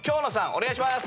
お願いします